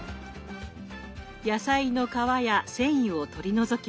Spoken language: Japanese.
野菜の皮や繊維を取り除きます。